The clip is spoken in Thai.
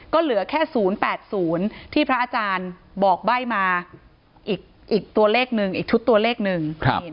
ก็เหลือแค่๐๘๐ที่พระอาจารย์บอกใบ้มาอีกตัวเลขหนึ่งอีกชุดตัวเลขหนึ่ง